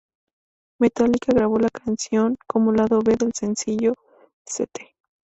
Metallica grabó la canción como lado B del sencillo "St.